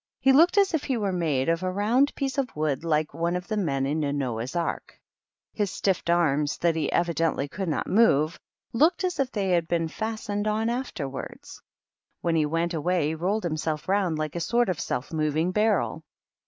He looked as if he were made of a round piece of wood like one of the men in a Noah's Ark. His stiff arms, that he evidently could not move, looked as if they THE KINDERGARTEN. 203 had been fastened on afterwards. When he went away he rolled himself round like a sort of self moving barrel.